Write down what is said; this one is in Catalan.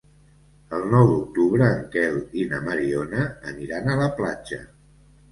El nou d'octubre en Quel i na Mariona aniran a la platja.